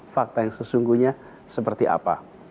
fakta yang sesungguhnya seperti apa